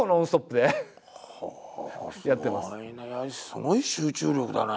すごい集中力だね。